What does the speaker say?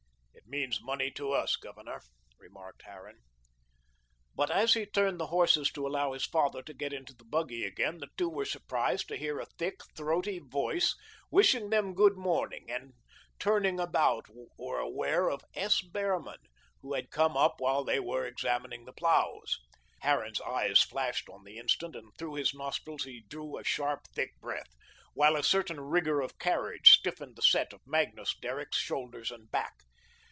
"It means money to us, Governor," remarked Harran. But as he turned the horses to allow his father to get into the buggy again, the two were surprised to hear a thick, throaty voice wishing them good morning, and turning about were aware of S. Behrman, who had come up while they were examining the ploughs. Harran's eyes flashed on the instant and through his nostrils he drew a sharp, quick breath, while a certain rigour of carriage stiffened the set of Magnus Derrick's shoulders and back.